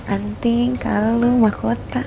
anting kalu mahkota